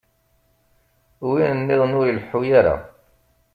Win-nniḍen ur ileḥḥu ara.